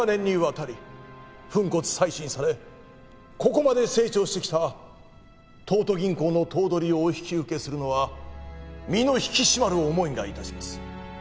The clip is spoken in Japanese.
ここまで成長してきた東都銀行の頭取をお引き受けするのは身の引き締まる思いが致します。